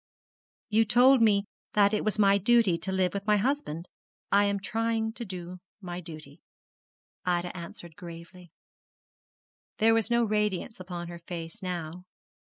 'You all told me that it was my duty to live with my husband. I am trying to do my duty,' Ida answered gravely. There was no radiance upon her face now.